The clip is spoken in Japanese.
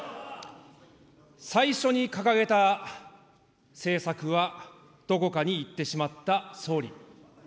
最初に掲げた政策はどこかにいってしまった総理。